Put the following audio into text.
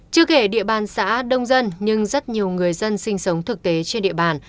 chưa kể địa bàn xã đông dân nhưng rất nhiều người dân sinh sống thực tế trên địa bàn